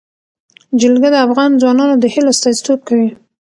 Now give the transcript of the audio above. جلګه د افغان ځوانانو د هیلو استازیتوب کوي.